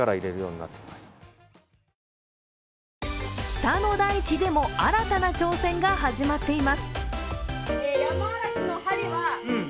北の大地でも新たな挑戦が始まっています。